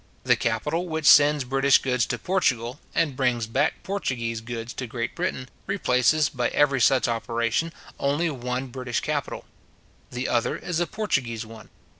The capital which sends British goods to Portugal, and brings back Portuguese goods to Great Britain, replaces, by every such operation, only one British capital. The other is a Portuguese one.